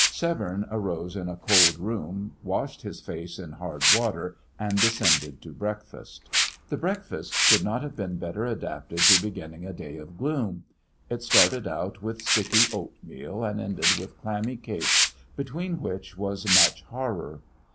Severne arose in a cold room, washed his face in hard water, and descended to breakfast. The breakfast could not have been better adapted to beginning a day of gloom. It started out with sticky oatmeal, and ended with clammy cakes, between which was much horror.